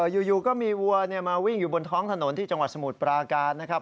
อยู่ก็มีวัวมาวิ่งอยู่บนท้องถนนที่จังหวัดสมุทรปราการนะครับ